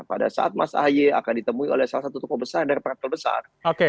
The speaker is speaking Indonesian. pada saat mas ahy akan ditemui oleh salah satu tokoh besar dari partai besar